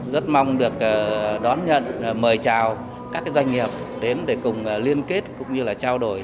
rất mong được đón nhận mời chào các doanh nghiệp đến để cùng liên kết cũng như là trao đổi